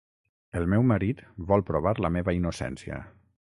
El meu marit vol provar la meva innocència.